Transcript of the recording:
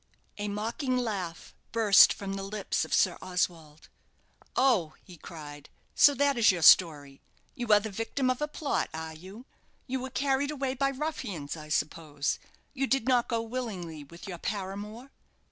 A mocking laugh burst from the lips of Sir Oswald. "Oh," he cried, "so that is your story. You are the victim of a plot, are you? You were carried away by ruffians, I suppose? You did not go willingly with your paramour?